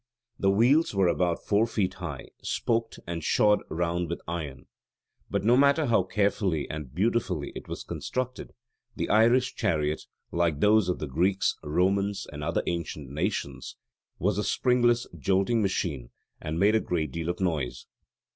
The wheels were about four feet high, spoked, and shod round with iron. But no matter how carefully and beautifully it was constructed the Irish chariot, like those of the Greeks, Romans, and other ancient nations, was a springless jolting machine and made a great deal of noise.